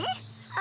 あ。